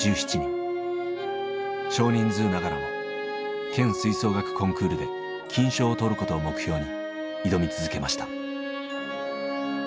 少人数ながらも県吹奏楽コンクールで金賞を取ることを目標に挑み続けました。